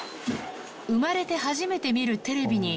生まれて初めて見るテレビに。